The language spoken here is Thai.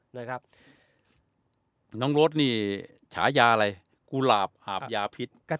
เลยครับน้องรถนี่ฉายาอะไรกุหลาบหาบยาพิษ